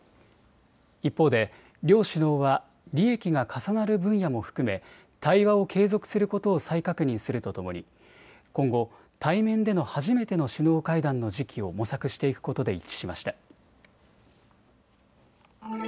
一方で両首脳は利益が重なる分野も含め対話を継続することを再確認するとともに今後、対面での初めての首脳会談の時期を模索していくことで一致しました。